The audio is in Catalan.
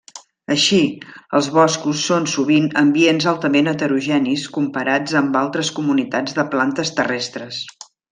Així, els boscos són sovint ambients altament heterogenis comparats amb altres comunitats de plantes terrestres.